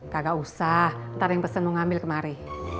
kagak usah ntar yang pesen mau ngambil kemari